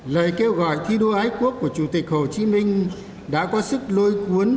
lời kêu gọi thi đua ái quốc của chủ tịch hồ chí minh đã có sức lôi cuốn